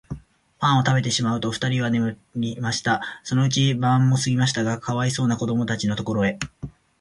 パンをたべてしまうと、ふたりは眠りました。そのうちに晩もすぎましたが、かわいそうなこどもたちのところへ、